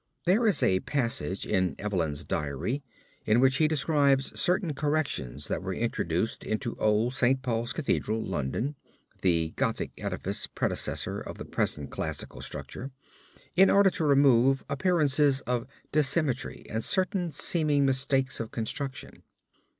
There is a passage in Evelyn's Diary in which he describes certain corrections that were introduced into Old St. Paul's Cathedral, London (the Gothic edifice predecessor of the present classical structure), in order to remove appearances of dissymmetry and certain seeming mistakes of construction.